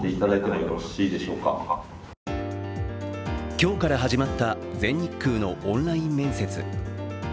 今日から始まった全日空のオンライン面接。